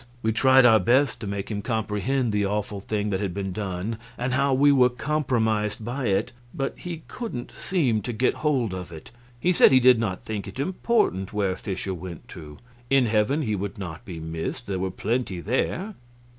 We tried our best to make him comprehend the awful thing that had been done and how we were compromised by it, but he couldn't seem to get hold of it. He said he did not think it important where Fischer went to; in heaven he would not be missed, there were "plenty there."